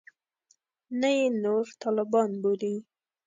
نه یې نور طالبان بولي.